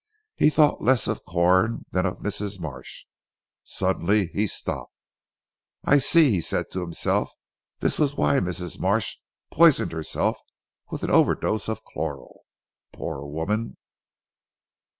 He thought less of Corn than of Mrs. Marsh. Suddenly he stopped. "I see," he said to himself, "this was why Mrs. Marsh poisoned herself with an overdose of chloral. Poor woman!"